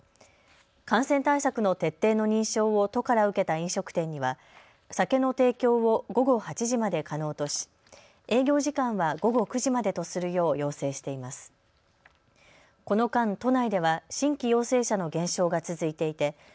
感染対策の徹底の認証を都から受けた飲食店には酒の提供を午後８時まで可能とし営業時間は午後９時までとするよう要請しています。